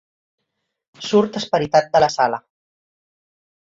Surt esperitat de la sala.